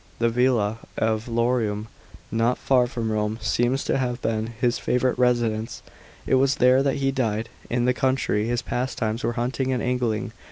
The villa of Lorium, not far from Rome, seems to have been his favourite residence ; it was there that he died. In the country his pastimes were hunting and angling.